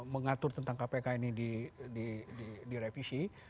mengatur tentang kpk ini direvisi